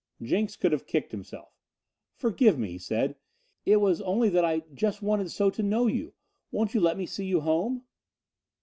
Jenks could have kicked himself. "Forgive me," he said. "It was only that I just wanted so to know you. Won't you let me see you home?"